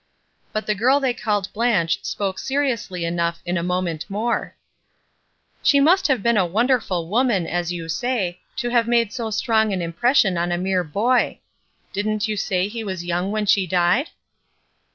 But the girl they called "Blanche" spoke seriously enough in a moment more. "WHAT'S IN A NAME?" 6 "She must have been a wonderful woman, as you say, to have made so strong an hnpression on a mere boy. DidnH you say he was yoimg when she died?"